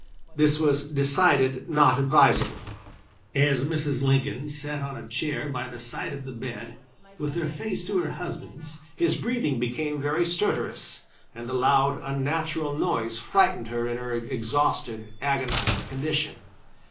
This was decided not advisable. As Mrs. Lincoln sat on a chair by the side of the bed with her face to her husband's his breathing became very stertorous and the loud, unnatural noise frightened her in her exhausted, agonized condition.